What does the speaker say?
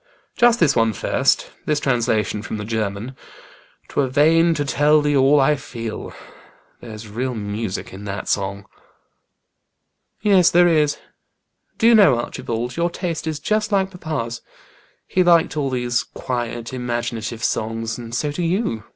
"Just this one first this translation from the German ' 'Twere vain to tell thee all I feel.' There's real music in that song." "Yes, there is. Do you know, Archibald, your taste is just like papa's. He liked all these quiet, imaginative songs, and so do you.